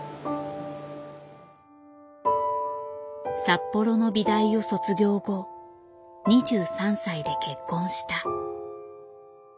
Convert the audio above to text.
札幌の美大を卒業後２３歳で結婚した。